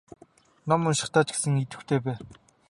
Ном уншихдаа ч гэсэн идэвхтэй бай.